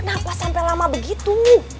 kenapa sampai lama begitu